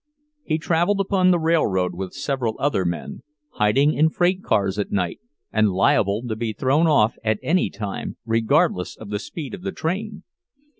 He traveled upon the railroad with several other men, hiding in freight cars at night, and liable to be thrown off at any time, regardless of the speed of the train.